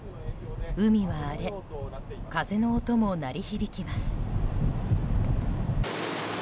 海は荒れ風の音も鳴り響きます。